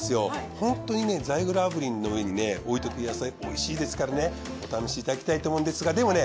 ホントにザイグル炙輪の上に置いとく野菜おいしいですからお試しいただきたいと思うんですがでもね